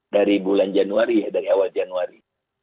dari bulan januari ya dari awal januari